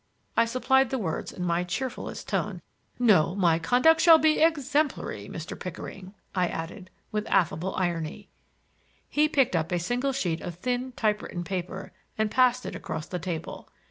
I supplied the words in my cheerfullest tone. "No; my conduct shall be exemplary, Mr. Pickering," I added, with affable irony. He picked up a single sheet of thin type written paper and passed it across the table.